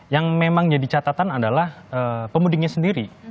yang memang jadi catatan adalah pemudiknya sendiri